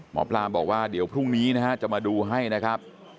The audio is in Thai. หมอปลาบอกว่าเดี๋ยวพรุ่งนี้นะฮะจะมาดูให้นะครับ